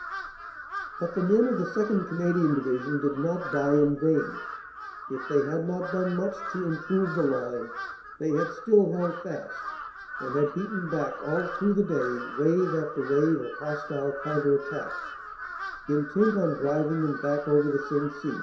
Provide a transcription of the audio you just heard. But the men of the 2nd. Canadian Division did not die in vain. If they had not done much to improve the line, they had still held fast and had beaten back all through the day wave after wave of hostile counter attacks, intent on driving them back over the Sensee.